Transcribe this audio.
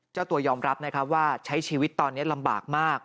เจ้าตัวยอมรับนะครับว่าใช้ชีวิตตอนนี้ลำบากมาก